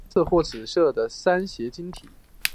它是白色或紫色的三斜晶体。